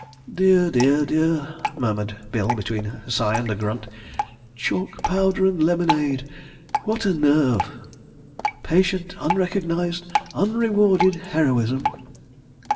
"Dear, dear, dear!" murmured Bill, between a sigh and a grunt. "Chalk powder and lemonade! ... what a nerve! ... Patient, unrecognised, unrewarded heroism.